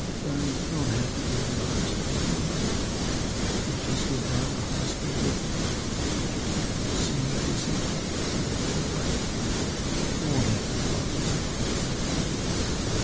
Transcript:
Darling, you don't have to go to the office now, do you? Could you just go down to the hospital with me? Could you come see me this evening if everything's all right? You won't have to go out this evening, will you?"